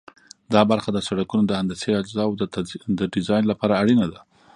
دا برخه د سرکونو د هندسي اجزاوو د ډیزاین لپاره اړینه ده